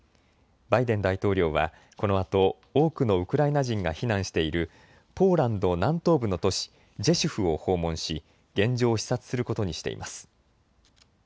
バイデン大統領はこのあと多くのウクライナ人が避難しているポーランド南東部の都市ジェシュフを訪問し現状を視察することにしています。